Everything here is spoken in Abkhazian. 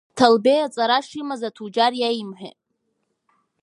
Ҭалбеи аҵара шимаз аҭуџьар иеимҳәеит.